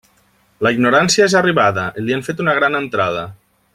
La ignorància és arribada, i li han fet una gran entrada.